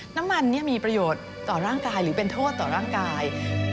น้ำมันมีประโยชน์ต่อร่างกายหรือเป็นโทษต่อร่างกาย